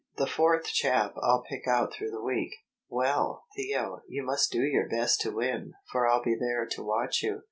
The fourth chap I'll pick out through the week." "Well, Theo, you must do your best to win, for I'll be there to watch you."